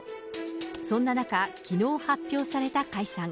そんな中、きのう発表された解散。